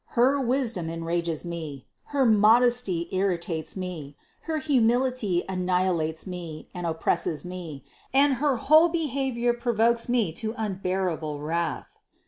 Her wisdom enrages me, her modesty irritates me, her humility annihilates me and oppresses me, and her whole behavior provokes me to unbearable wrath.